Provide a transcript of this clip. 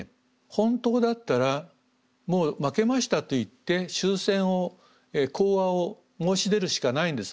本当だったらもう負けましたといって終戦を講和を申し出るしかないんです。